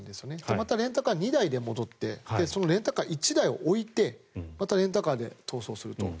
またレンタカー２台で戻ってレンタカー１台を置いてまたレンタカーで逃走すると。